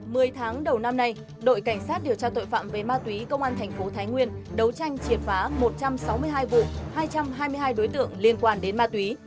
mười tháng đầu năm nay đội cảnh sát điều tra tội phạm về ma túy công an thành phố thái nguyên đấu tranh triệt phá một trăm sáu mươi hai vụ hai trăm hai mươi hai đối tượng liên quan đến ma túy